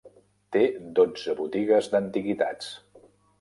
Té dotze botigues d'antiguitats